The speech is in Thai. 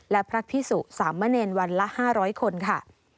และพระพิสุสามเณรวันละ๕๐๐คนค่ะ